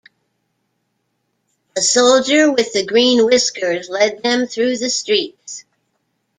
The Soldier with the green whiskers led them through the streets.